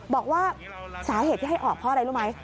บอกว่าสาเหตุที่ให้ออกเพราะอะไรรู้ไหม